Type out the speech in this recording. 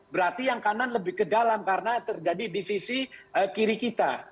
berarti yang kanan lebih ke dalam karena terjadi di sisi kiri kita